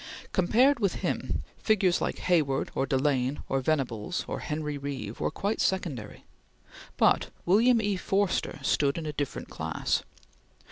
Compared with him, figures like Hayward, or Delane, or Venables, or Henry Reeve were quite secondary, but William E. Forster stood in a different class.